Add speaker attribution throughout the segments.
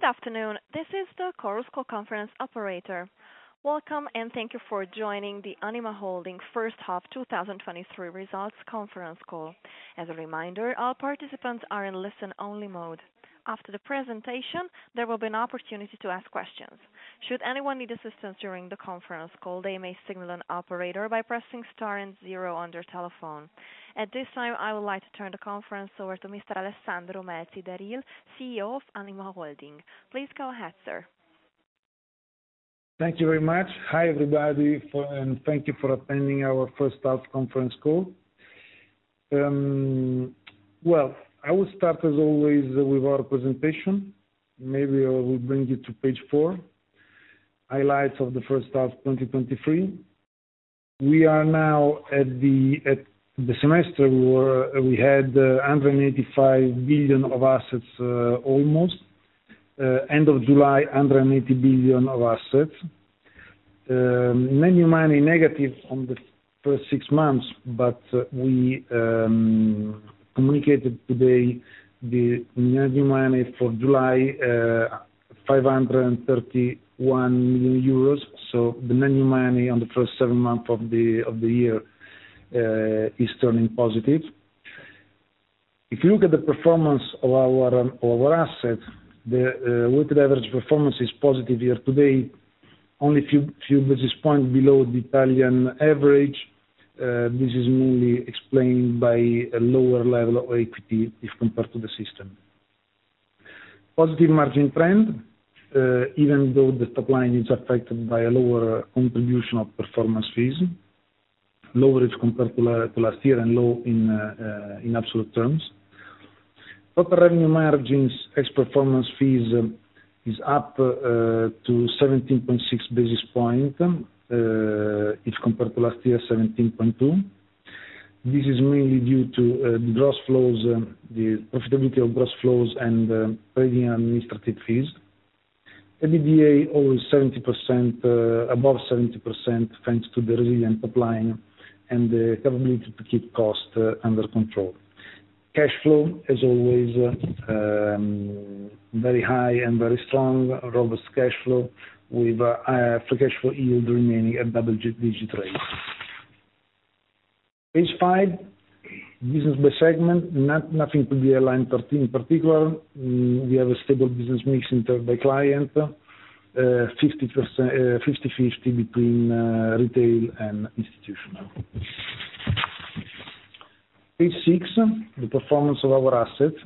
Speaker 1: Good afternoon, this is the Chorus Call Conference operator. Welcome, and thank you for joining the Anima Holding First Half 2023 Results Conference Call. As a reminder, all participants are in listen-only mode. After the presentation, there will be an opportunity to ask questions. Should anyone need assistance during the conference call, they may signal an operator by pressing star and zero on their telephone. At this time, I would like to turn the conference over to Mr. Alessandro Melzi d'Eril, CEO of Anima Holding. Please go ahead, sir.
Speaker 2: Thank you very much. Hi, everybody, thank you for attending our first half conference call. Well, I will start, as always, with our presentation. Maybe I will bring you to page four, highlights of the first half, 2023. We are now at the semester we were, we had 185 billion of assets, almost. End of July, 180 billion of assets. Many money negative on the first six months, but we communicated today the net new money for July, 531 million euros. The net new money on the first seven month of the year is turning positive. If you look at the performance of our assets, the weighted average performance is positive year-to-date, only a few basis point below the Italian average. This is mainly explained by a lower level of equity if compared to the system. Positive margin trend, even though the top line is affected by a lower contribution of performance fees, lower as compared to last year and low in absolute terms. Operating margins ex performance fees is up to 17.6 basis point. If compared to last year, 17.2. This is mainly due to gross flows, the profitability of gross flows and trading administrative fees. EBITDA over 70%, above 70%, thanks to the resilient top line and the ability to keep costs under control. Cash flow, as always, very high and very strong. Robust cash flow with Free Cash Flow Yield remaining at double digit rate. Page five. Business by segment, nothing to be aligned in particular. We have a stable business mix in term by client. 50/50 between retail and institutional. Page six, the performance of our assets.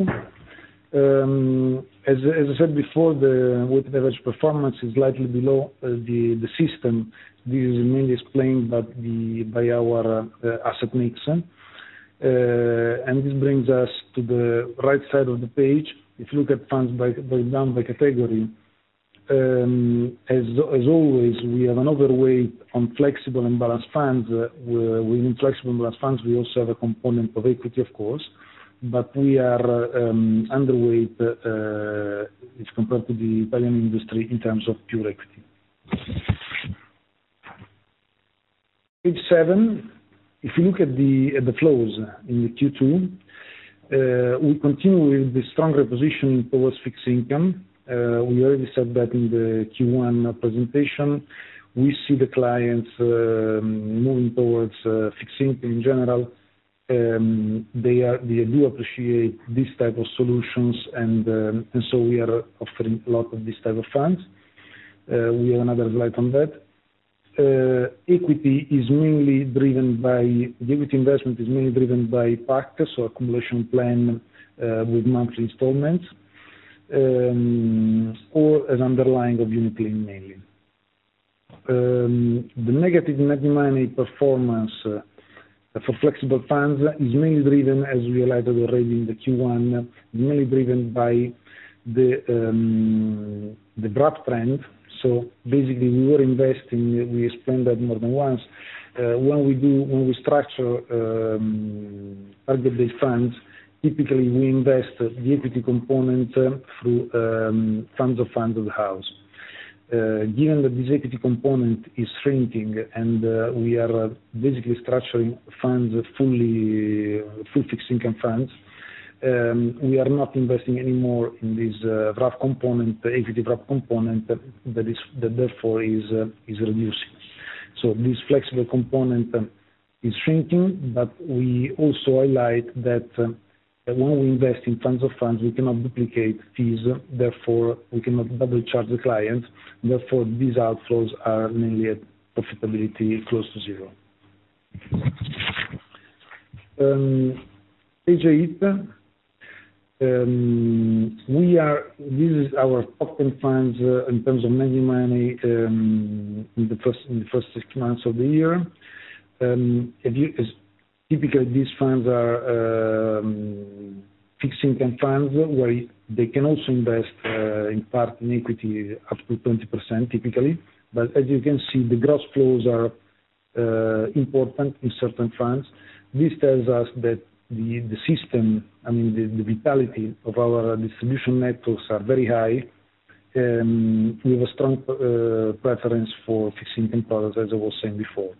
Speaker 2: As I said before, the weighted average performance is slightly below the system. This is mainly explained by our asset mix. This brings us to the right side of the page. If you look at funds by category, as always, we have another way on flexible and balanced funds. Within flexible and balanced funds, we also have a component of equity, of course, but we are underweight, if compared to the Italian industry in terms of pure equity. Page seven. If you look at the, at the flows in the Q2, we continue with the stronger position towards fixed income. We already said that in the Q1 presentation. We see the clients moving towards fixed income in general. They do appreciate these type of solutions, and so we are offering a lot of these type of funds. We have another light on that. Equity is mainly driven by Equity investment is mainly driven by practice or accumulation plan with monthly installments or an underlying of unit-linked, mainly. The negative net money performance for flexible funds is mainly driven, as we highlighted already in the Q1, mainly driven by the BRAP trend. Basically, we were investing, we explained that more than once. When we structure targeted funds, typically we invest the equity component through funds or funds of the house. Given that this equity component is shrinking and we are basically structuring funds fully, full fixed income funds, we are not investing any more in this BRAP component, the equity BRAP component that is, that therefore is reducing. This flexible component is shrinking, but we also highlight that when we invest in funds of funds, we cannot duplicate fees, therefore, we cannot double charge the client. These outflows are mainly at profitability, close to zero. Page eight. This is our top 10 funds in terms of net new money in the first, in the first six months of the year. As typical, these funds are fixed income funds, where they can also invest in part in equity, up to 20%, typically. As you can see, the gross flows are important in certain funds. This tells us that the system, I mean, the vitality of our distribution networks are very high, with a strong preference for fixed income products, as I was saying before.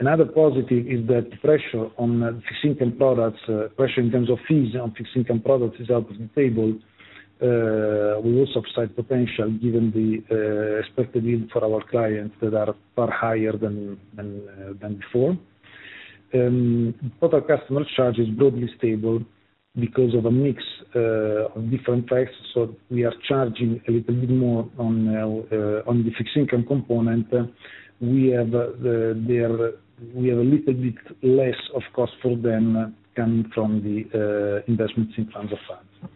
Speaker 2: Another positive is that pressure on fixed income products, pressure in terms of fees on fixed income products is obviously stable. We will subside potential given the expected yield for our clients that are far higher than than before. Total customer charge is broadly stable because of a mix of different types. We are charging a little bit more on the fixed income component. We have there, we have a little bit less of cost for them coming from the investments in funds of funds.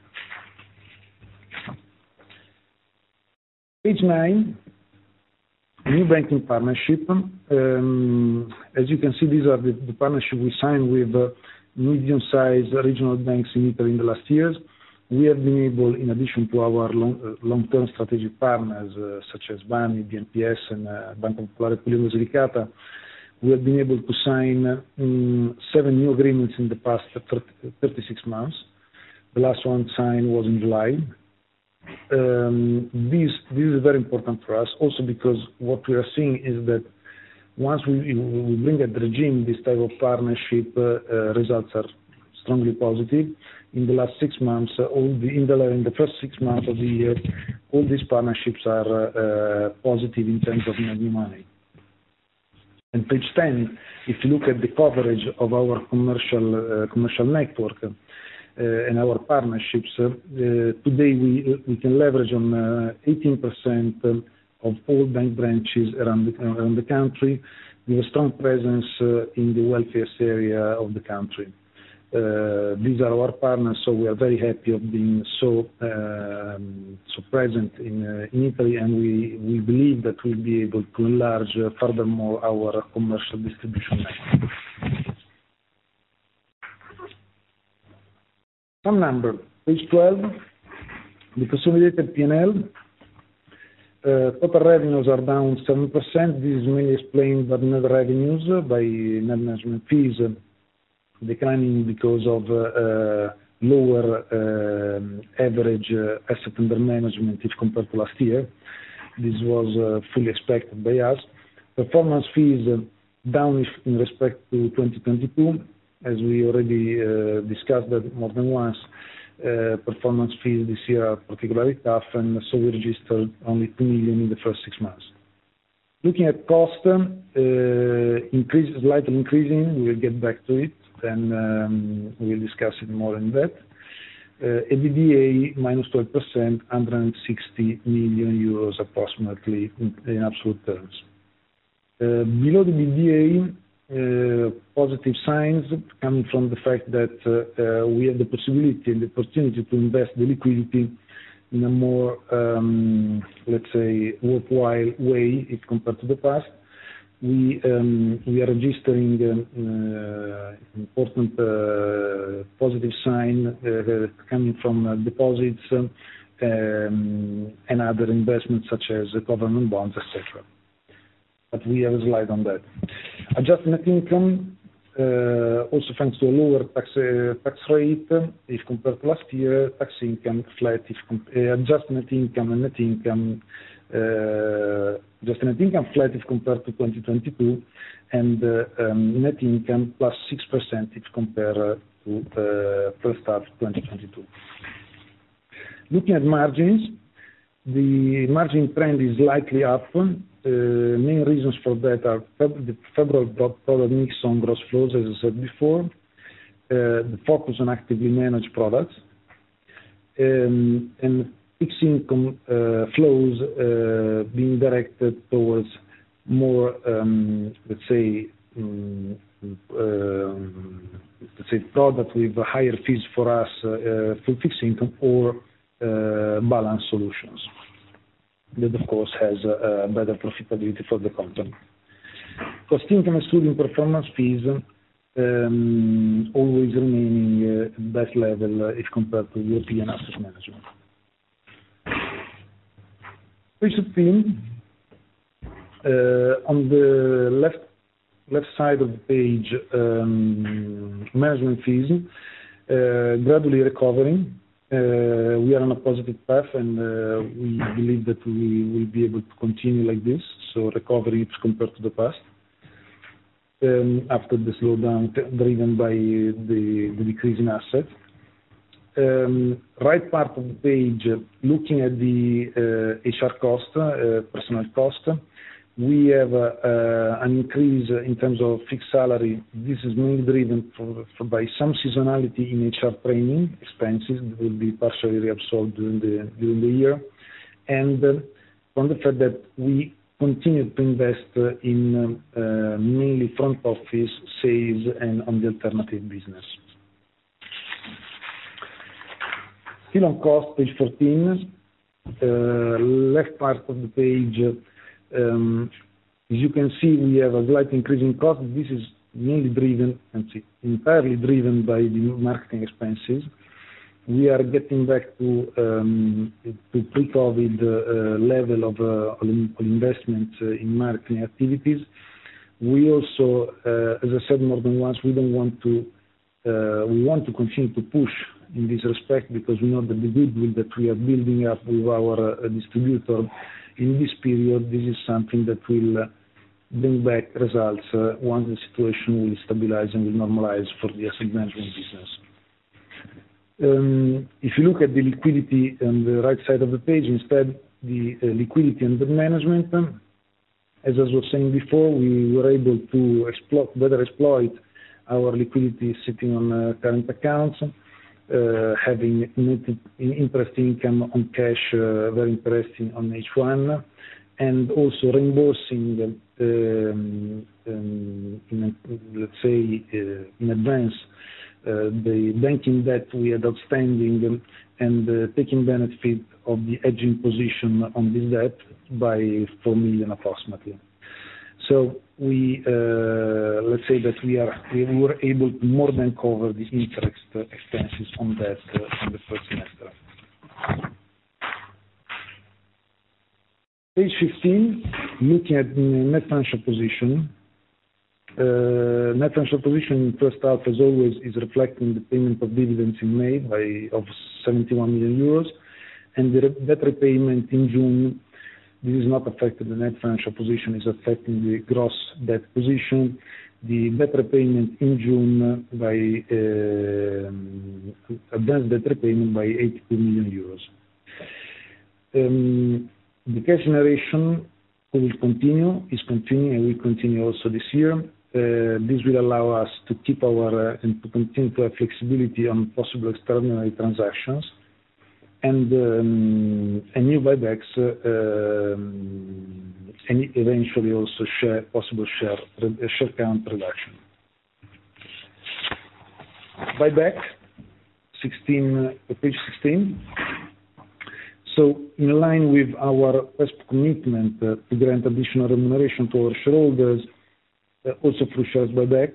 Speaker 2: Page nine, new banking partnership. As you can see, these are the partnership we signed with medium-sized regional banks in Italy in the last years. We have been able, in addition to our long, long-term strategic partners, such as [Banco BPM, BNP Paribas, and Bank of Italy]. We have been able to sign seven new agreements in the past 36 months. The last one signed was in July. This, this is very important for us also because what we are seeing is that once we, we, we bring a regime, this type of partnership, results are strongly positive. In the first six months of the year, all these partnerships are positive in terms of making money. In page 10, if you look at the coverage of our commercial network and our partnerships, today, we can leverage on 18% of all bank branches around the country with a strong presence in the wealthiest area of the country. These are our partners, so we are very happy of being so present in Italy, and we believe that we'll be able to enlarge furthermore our commercial distribution. Some number, page 12. The consolidated PNL, total revenues are down 7%. This is mainly explained by net revenues, by net management fees declining because of lower average asset under management if compared to last year. This was fully expected by us. Performance fees down in respect to 2022, as we already discussed that more than once. Performance fees this year are particularly tough, and so we registered only 2 million in the first six months. Looking at cost increases, slightly increasing. We'll get back to it, then, we'll discuss it more in depth. EBITDA, -12%, 160 million euros, approximately, in, in absolute terms. Below the EBITDA, positive signs coming from the fact that we have the possibility and the opportunity to invest the liquidity in a more, let's say, worthwhile way if compared to the past. We are registering important positive sign coming from deposits and other investments such as government bonds, et cetera. We have a slide on that. Adjust net income also thanks to a lower tax rate if compared to last year. Tax income slight if adjust net income and net income, just net income slight if compared to 2022, net income +6% if compare to first half 2022. Looking at margins, the margin trend is slightly up. Main reasons for that are the favorable product mix on gross flows, as I said before. The focus on actively managed products, and fixed income flows being directed towards more, let's say, product with higher fees for us, for fixed income or balanced solutions. That, of course, has better profitability for the company. Cost income, excluding performance fees, always remaining best level if compared to European asset management. Page 13, on the left side of the page, management fees gradually recovering. We are on a positive path, and we believe that we will be able to continue like this, so recovery is compared to the past, after the slowdown driven by the decrease in assets. Right part of the page, looking at the HR cost, personal cost, we have an increase in terms of fixed salary. This is mainly driven by some seasonality in HR training expenses that will be partially reabsorbed during the year. From the fact that we continue to invest in mainly front office sales and on the alternative business. Still on cost, page 14. Left part of the page, as you can see, we have a slight increase in cost. This is mainly driven, let's see, entirely driven by the new marketing expenses. We are getting back to pre-COVID level of investment in marketing activities. We also, as I said, more than once, we don't want. we want to continue to push in this respect, because we know that the goodwill that we are building up with our distributor in this period, this is something that will bring back results once the situation will stabilize and will normalize for the asset management business. If you look at the liquidity on the right side of the page, instead, the liquidity and the management, as I was saying before, we were able to exploit, better exploit our liquidity sitting on current accounts, having noted an interest income on cash, very interesting on H1, and also reimbursing the, let's say, in advance, the banking debt we had outstanding, and taking benefit of the hedging position on this debt by 4 million, approximately. We, let's say that we were able to more than cover the interest expenses on debt in the first semester. Page 15, looking at Net Financial Position. Net Financial Position, first half, as always, is reflecting the payment of dividends in May by, of 71 million euros, and the debt repayment in June. This has not affected the Net Financial Position, it's affecting the gross debt position. The debt repayment in June by advance debt repayment by 82 million euros. The cash generation will continue, is continuing, and will continue also this year. This will allow us to keep our and to continue to have flexibility on possible extraordinary transactions. A new buybacks, and eventually also share, possible share, share count reduction. Buyback, 16, page 16. In line with our first commitment, to grant additional remuneration to our shareholders, also through shares buyback,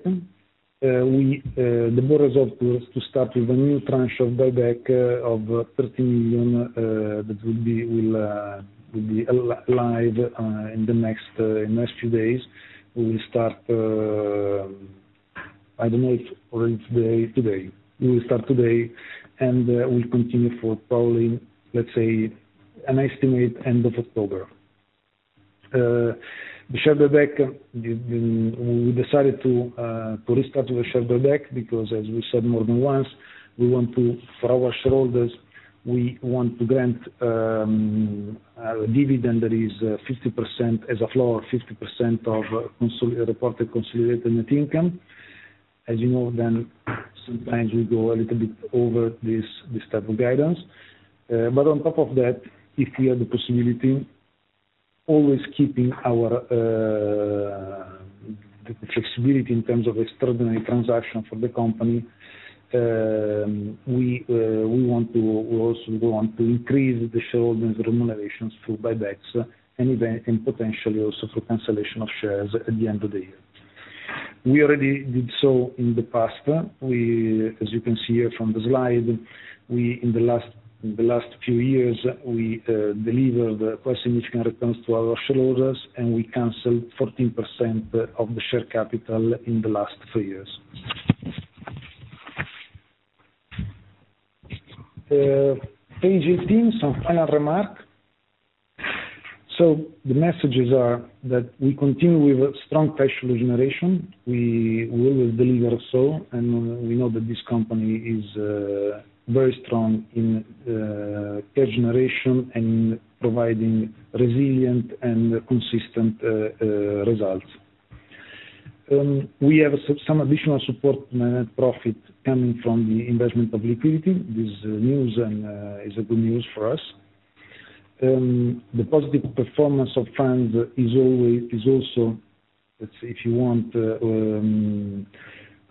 Speaker 2: we, the board resolved to, to start with a new tranche of buyback, of 13 million, that will be, will, go live, in the next, in next few days. We will start, I don't know if or it's today, today. We will start today, we'll continue for probably, let's say, an estimate end of October. The share buyback, we, we decided to restart with a share buyback, because as we said more than once, we want to, for our shareholders, we want to grant, a dividend that is 50%, as a floor, 50% of reported consolidated net income. As you know, sometimes we go a little bit over this, this type of guidance. On top of that, if we have the possibility, always keeping our the flexibility in terms of extraordinary transaction for the company, we want to also, we want to increase the shareholders' remunerations through buybacks, and even, and potentially also through cancellation of shares at the end of the year. We already did so in the past. We, as you can see here from the slide, we in the last, in the last few years, we delivered quite significant returns to our shareholders, and we canceled 14% of the share capital in the last three years. Page 18, some final remark. The messages are that we continue with strong cash flow generation. We will deliver so, we know that this company is very strong in cash generation and providing resilient and consistent results. We have some additional support net profit coming from the investment of liquidity. This is good news, is a good news for us. The positive performance of funds is always, is also, let's say, if you want,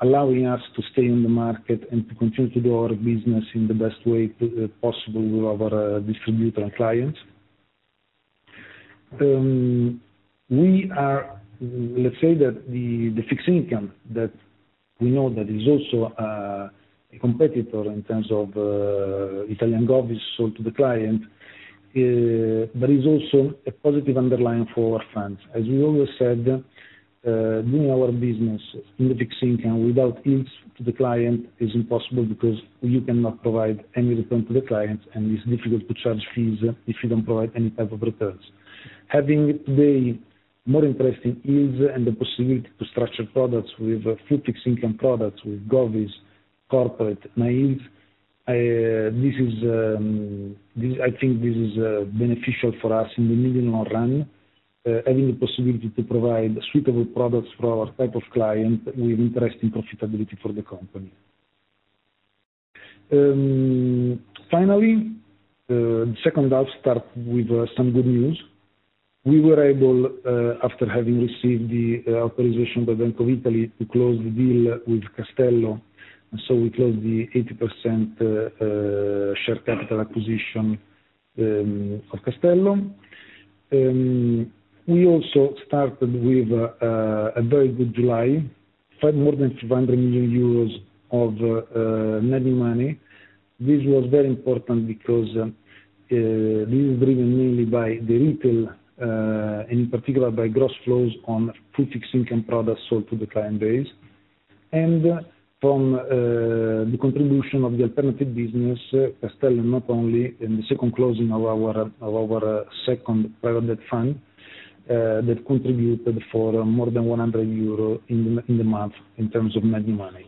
Speaker 2: allowing us to stay in the market and to continue to grow our business in the best way possible with our distributor and clients. We are, let's say that the fixed income that we know that is also a competitor in terms of Italian Govies sold to the client, there is also a positive underlying for our funds. As we always said, doing our business in the fixed income without yields to the client is impossible, because you cannot provide any return to the clients, and it's difficult to charge fees if you don't provide any type of returns. Having today, more interesting yields and the possibility to structure products with fixed income products, with govies, corporate, NAVs, I think this is beneficial for us in the medium-long run. Having the possibility to provide suitable products for our type of client, with interesting profitability for the company. Finally, second half start with some good news. We were able, after having received the authorization by Bank of Italy to close the deal with Castello, we closed the 80% share capital acquisition of Castello. We also started with a very good July, found more than 300 million euros of net new money. This was very important because this is driven mainly by the retail and in particular by gross flows on fixed income products sold to the client base. From the contribution of the alternative business, Castello, not only in the second closing of our, of our second private fund, that contributed for more than 100 euro in the month in terms of net money.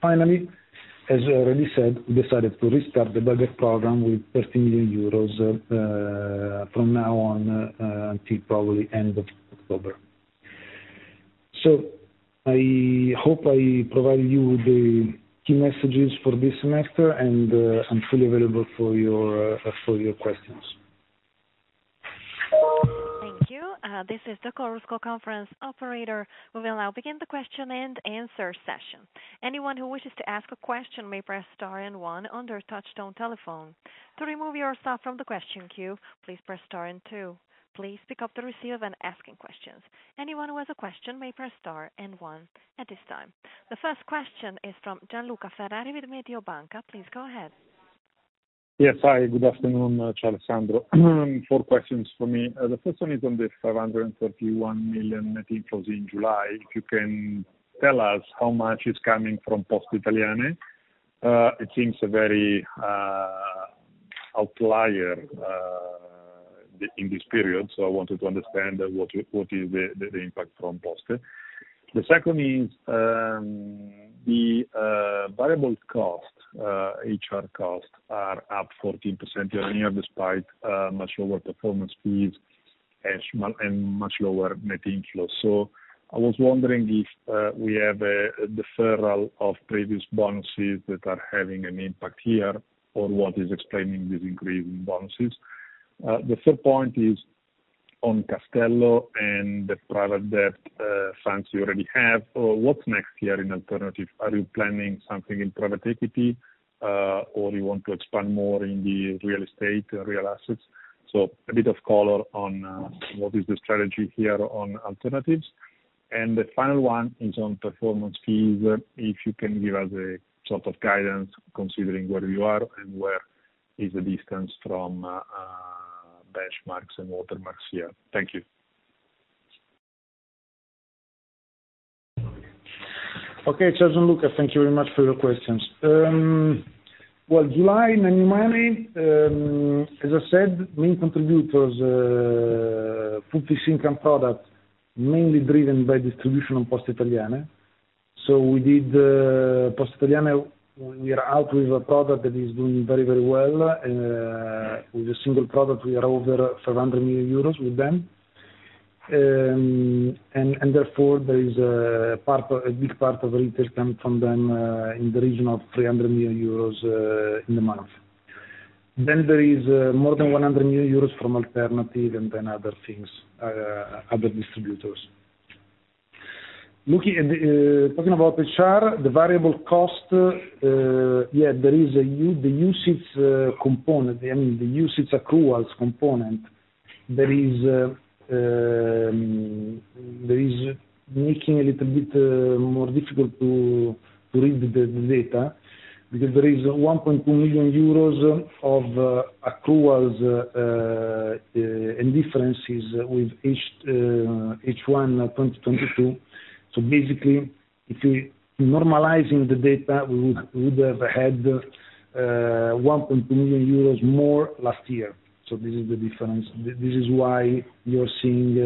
Speaker 2: Finally, as I already said, we decided to restart the buyback program with 30 million euros from now on until probably end of October. I hope I provide you with the key messages for this semester, and I'm fully available for your for your questions.
Speaker 1: Thank you. This is the Chorus Call Conference Operator. We will now begin the question-and-answer session. Anyone who wishes to ask a question may press star one on their touchtone telephone. To remove yourself from the question queue, please press star two. Please pick up the receiver when asking questions. Anyone who has a question may press star one at this time. The first question is from Gianluca Ferrari with Mediobanca. Please go ahead.
Speaker 3: Yes. Hi, good afternoon, Alessandro. Four questions for me. The first one is on the 531 million net inflows in July. If you can tell us how much is coming from Poste Italiane? It seems a very outlier in this period, so I wanted to understand what, what is the, the impact from Poste. The second is the variable cost, HR cost are up 14% year-on-year, despite much lower performance fees and much lower net inflows. I was wondering if we have a deferral of previous bonuses that are having an impact here, or what is explaining this increase in bonuses? The third point is on Castello and the private debt funds you already have. What's next year in alternative? Are you planning something in private equity, or you want to expand more in the real estate, real assets? A bit of color on what is the strategy here on alternatives. The final one is on performance fees. If you can give us a sort of guidance, considering where you are and where is the distance from benchmarks and watermarks year. Thank you.
Speaker 2: Okay, Gianluca, thank you very much for your questions. Well, July net new money, as I said, main contributors, focused income product, mainly driven by distribution on Poste Italiane. We did Poste Italiane, we are out with a product that is doing very, very well. With a single product, we are over 500 million euros with them. And therefore, there is a part, a big part of retail coming from them, in the region of 300 million euros in the month. There is more than 100 million euros from alternative and then other things, other distributors. Looking at the, talking about the HR, the variable cost, yeah, there is the usage component, I mean, the usage accruals component. There is, there is making a little bit more difficult to read the data, because there is 1.2 million euros of accruals and differences with each one, 2022. Basically, if we normalizing the data, we would, we would have had 1.2 million euros more last year. This is the difference. This is why you're seeing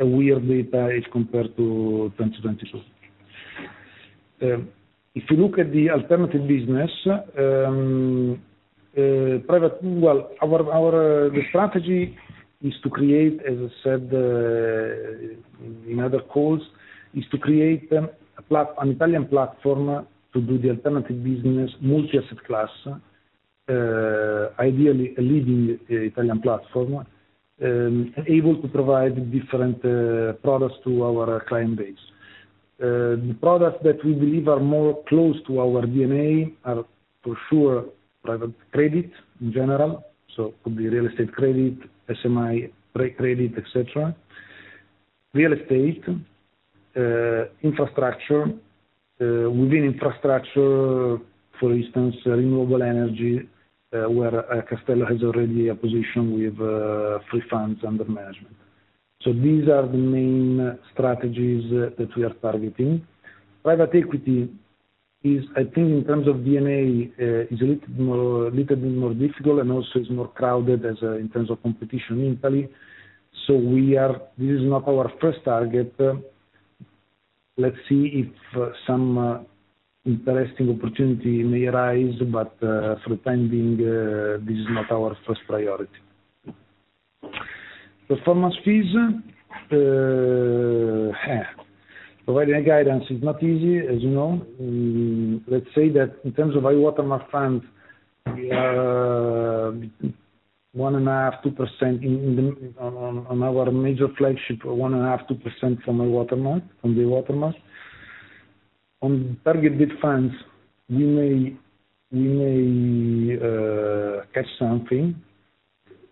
Speaker 2: a weird data as compared to 2022. If you look at the alternative business, private, well, our, our, the strategy is to create, as I said, in other calls, is to create an Italian platform to do the alternative business, multi-asset class, ideally a leading Italian platform, able to provide different products to our client base. The products that we believe are more close to our DNA are, for sure, private credit in general, so could be real estate credit, SME trade credit, et cetera. Real estate, infrastructure. Within infrastructure, for instance, renewable energy, where Castello has already a position with three funds under management. These are the main strategies that we are targeting. Private equity is, I think, in terms of DNA, is a little more, little bit more difficult and also is more crowded as in terms of competition in Italy. This is not our first target. Let's see if some interesting opportunity may arise, but for the time being, this is not our first priority. Performance fees, providing a guidance is not easy, as you know. Let's say that in terms of high-water mark fund, we are 1.5%-2% in our major flagship, 1.5%-2% from the high-water mark. On target-date funds, we may catch something.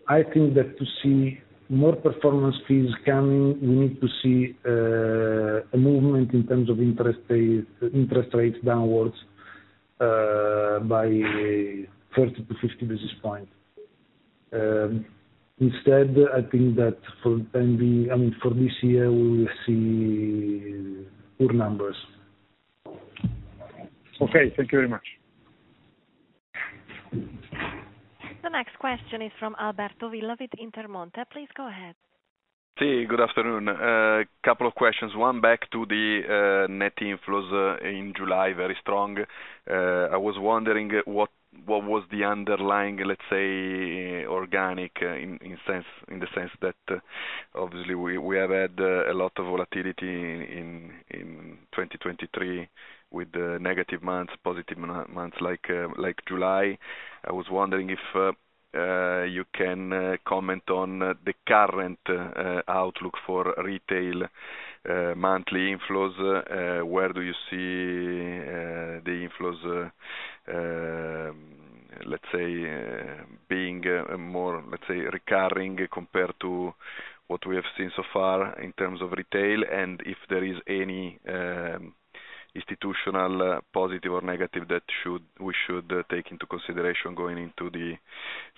Speaker 2: I think that to see more performance fees coming, we need to see a movement in terms of interest rates downwards by 30 to 50 basis points. Instead, I think that, I mean, for this year, we will see poor numbers.
Speaker 3: Okay, thank you very much.
Speaker 1: The next question is from Alberto Villa with Intermonte. Please go ahead.
Speaker 4: Si, good afternoon. Couple of questions. One, back to the net inflows in July, very strong. I was wondering what, what was the underlying, let's say, organic in, in sense, in the sense that, obviously, we, we have had a lot of volatility in 2023 with the negative months, positive months like July. I was wondering if you can comment on the current outlook for retail monthly inflows. Where do you see the inflows, let's say, being more, let's say, recurring compared to what we have seen so far in terms of retail? If there is any institutional, positive or negative that we should take into consideration going into the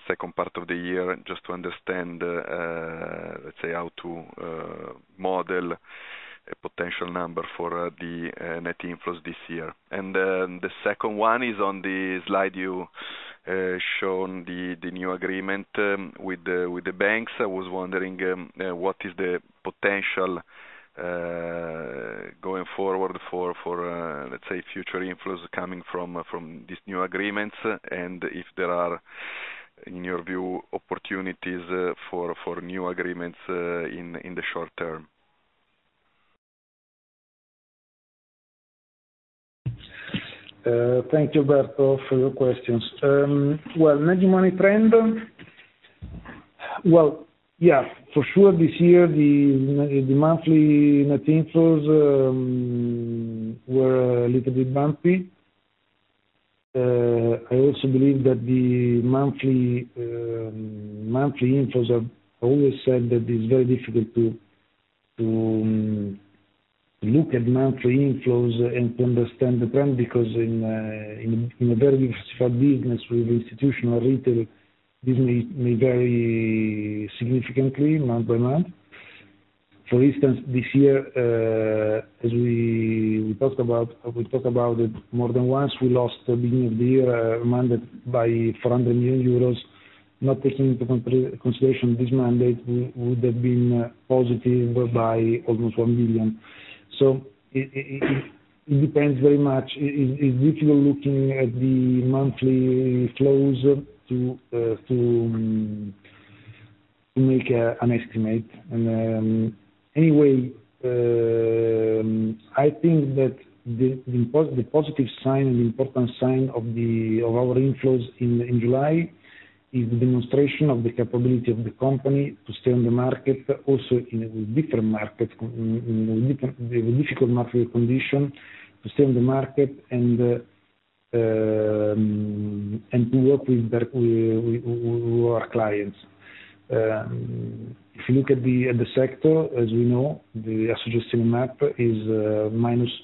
Speaker 4: second part of the year, just to understand, let's say, how to model a potential number for the net inflows this year. The second one is on the slide you shown the new agreement with the banks. I was wondering, what is the potential going forward for, for, let's say, future inflows coming from these new agreements, and if there are, in your view, opportunities for new agreements in the short term?
Speaker 2: Thank you, Alberto, for your questions. Well, managing money trend. Well, yeah, for sure this year, the monthly net inflows were a little bit bumpy. I also believe that the monthly monthly inflows, I've always said that it's very difficult to, to look at monthly inflows and to understand the trend, because in in a very diversified business with institutional retail, this may vary significantly month by month. For instance, this year, as we talked about, we talked about it more than once, we lost the beginning of the year mandate by 400 million euros. Not taking into consideration, this mandate would have been positive by almost 1 billion. It depends very much. It's difficult looking at the monthly flows to to make an estimate. Anyway, I think that the positive sign and the important sign of the inflows in July, is the demonstration of the capability of the company to stay on the market, but also in a different market, in a difficult market condition, to stay on the market and to work with our clients. If you look at the sector, as we know, the asset map is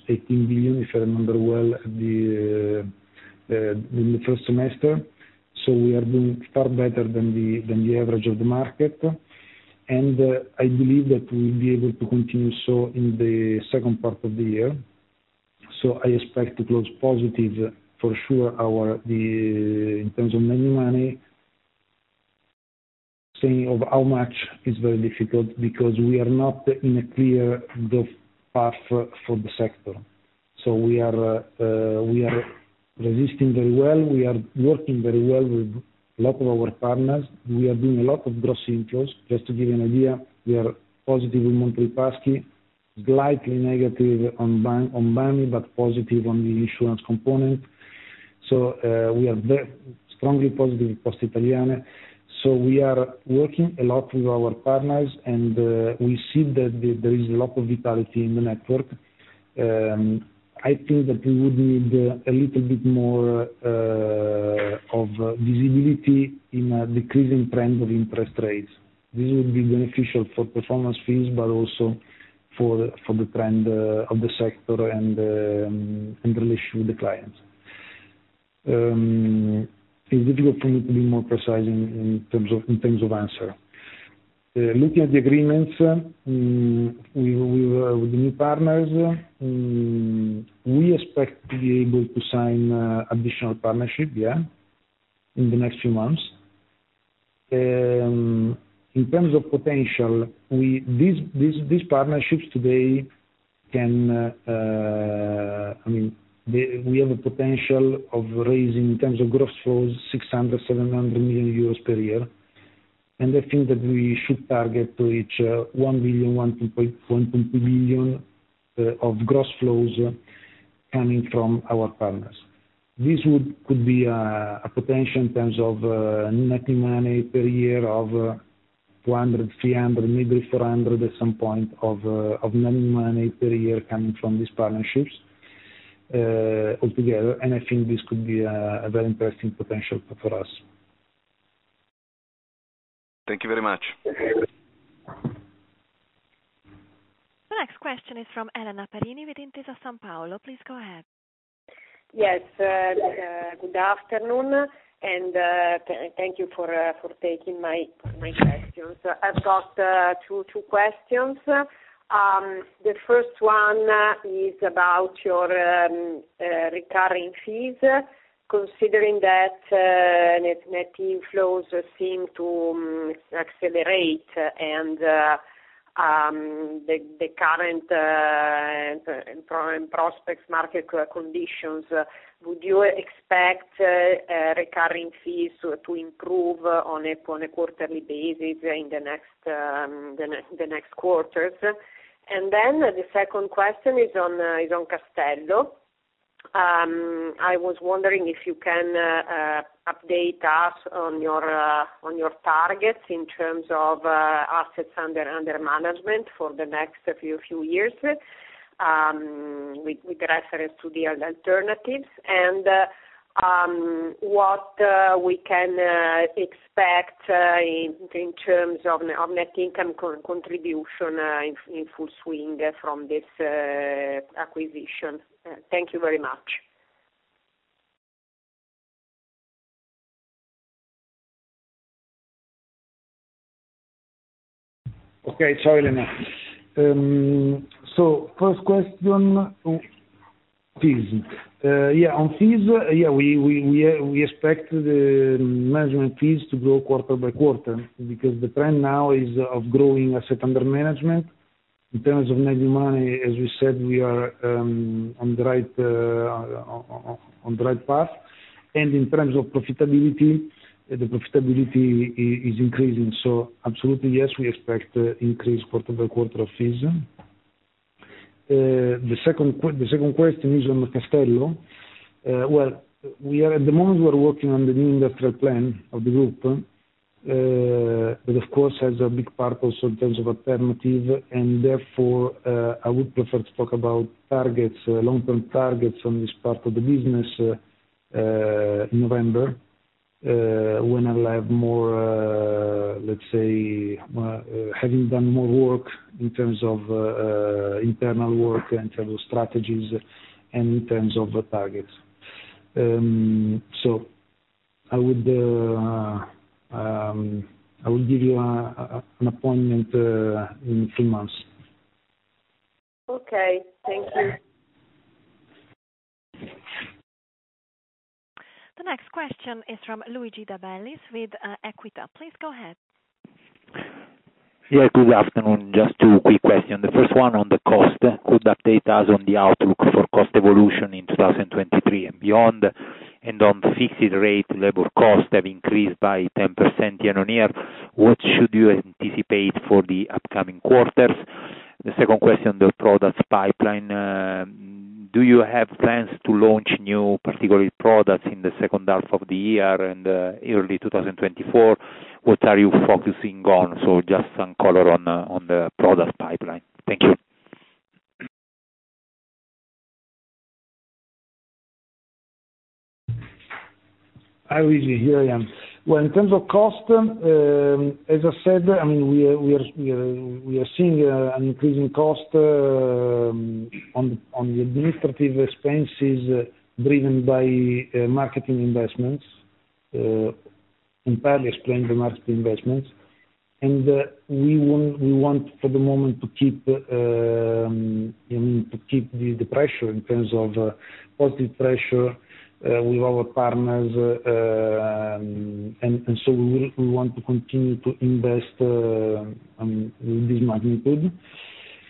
Speaker 2: -18 billion, if I remember well, in the first semester. We are doing far better than the average of the market, and I believe that we will be able to continue so in the second part of the year. I expect to close positive for sure, our, in terms of managing money, saying of how much is very difficult, because we are not in a clear path for the sector. We are resisting very well. We are working very well with a lot of our partners. We are doing a lot of gross inflows. Just to give you an idea, we are positive in Monte Paschi, slightly negative on banking, but positive on the insurance component. We are strongly positive in Poste Italiane. We are working a lot with our partners, and we see that there, there is a lot of vitality in the network. I think that we would need a little bit more of visibility in a decreasing trend of interest rates. This would be beneficial for performance fees, but also for, for the trend of the sector and the relationship with the clients. It's difficult for me to be more precise in, in terms of, in terms of answer. Looking at the agreements, we with the new partners, we expect to be able to sign additional partnership, yeah, in the next few months. In terms of potential, these partnerships today can... I mean, we have a potential of raising, in terms of gross flows, 600 million-700 million euros per year. I think that we should target to reach 1 billion-1.2 billion of gross flows coming from our partners. This would, could be, a potential in terms of, net new money per year of, 200 million, 300 million, maybe 400 million at some point of, of managing money per year coming from these partnerships, altogether. I think this could be, a very interesting potential for us.
Speaker 4: Thank you very much.
Speaker 1: The question is from Elena Perini with Intesa Sanpaolo. Please go ahead.
Speaker 5: Yes, good afternoon, and thank you for taking my questions. I've got two, two questions. The first one is about your recurring fees, considering that net, net inflows seem to accelerate and the current, current prospects, market conditions, would you expect recurring fees to improve on a quarterly basis in the next the next quarters? The second question is on is on Castello. I was wondering if you can update us on your on your targets in terms of assets under, under management for the next few, few years with with reference to the alternatives, and what we can expect in in terms of net income contribution in in full swing from this acquisition? Thank you very much.
Speaker 2: Okay. Ciao, Elena. first question, fees. yeah, on fees, yeah, we, we, we, we expect the management fees to grow quarter by quarter because the trend now is of growing asset under management. In terms of making money, as we said, we are on the right path, and in terms of profitability, the profitability is increasing. absolutely, yes, we expect increase quarter by quarter of fees. the second question is on Castello. Well, we are, at the moment, we are working on the new industrial plan of the group, that of course has a big part also in terms of alternative, and therefore, I would prefer to talk about targets, long-term targets on this part of the business, in November, when I'll have more, let's say, having done more work in terms of internal work, in terms of strategies, and in terms of the targets. I would, I will give you an appointment in two months.
Speaker 5: Okay. Thank you.
Speaker 1: The next question is from Luigi De Bellis with Equita. Please go ahead.
Speaker 6: Yeah, good afternoon. Just two quick questions. The first one on the cost: Could update us on the outlook for cost evolution in 2023 and beyond, and on fixed rate, labor costs have increased by 10% year-over-year. What should you anticipate for the upcoming quarters? The second question on the products pipeline: Do you have plans to launch new particular products in the second half of the year and early 2024? What are you focusing on? Just some color on the product pipeline. Thank you.
Speaker 2: Hi, Luigi. Here I am. Well, in terms of cost, as I said, I mean, we are, we are, we are, we are seeing an increasing cost on, on the administrative expenses driven by marketing investments, entirely explained the marketing investments. We want, we want for the moment to keep to keep the, the pressure in terms of positive pressure with our partners, and so we, we want to continue to invest with this magnitude.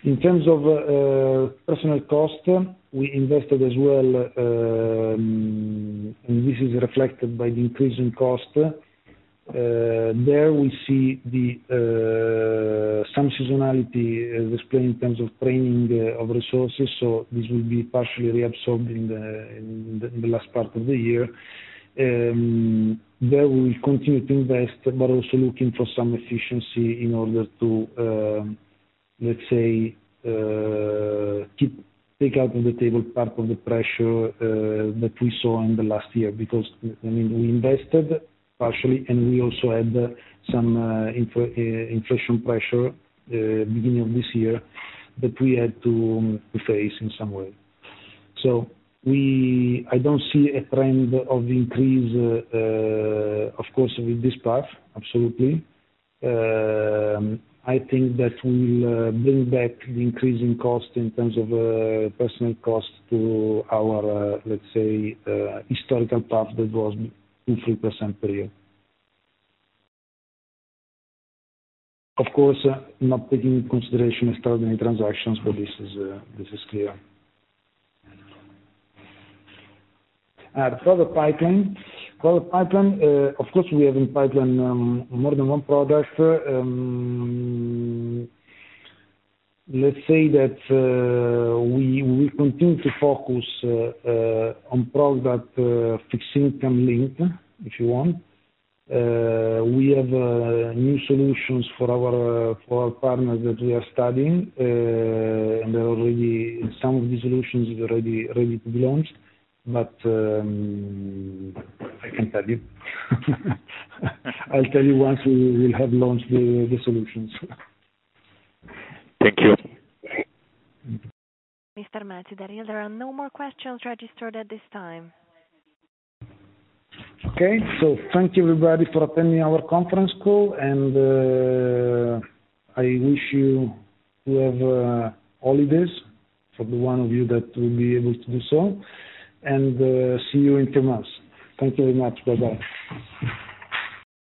Speaker 2: In terms of personal cost, we invested as well, and this is reflected by the increase in cost. There we see the some seasonality as explained in terms of training of resources, so this will be partially reabsorbed in the, in the, in the last part of the year. There we will continue to invest, but also looking for some efficiency in order to, let's say, keep, take out on the table part of the pressure that we saw in the last year. Because, I mean, we invested partially, and we also had some inflation pressure beginning of this year, that we had to, to face in some way. I don't see a trend of increase, of course, with this path, absolutely. I think that we will bring back the increasing cost in terms of personal cost to our, let's say, historical path that was 2%, 3% per year. Of course, not taking into consideration extraordinary transactions, this is, this is clear. The product pipeline. Product pipeline, of course, we have in pipeline, more than one product. Let's say that we, we continue to focus on product fixed income link, if you want. We have new solutions for our for our partners that we are studying, and already some of these solutions is already, ready to be launched, but I can't tell you. I'll tell you once we, we have launched the, the solutions.
Speaker 6: Thank you.
Speaker 1: Mr. Melzi d'Eril, there are no more questions registered at this time.
Speaker 2: Okay. Thank you, everybody, for attending our conference call, and I wish you to have holidays for the one of you that will be able to do so. See you in two months. Thank you very much. Bye-bye.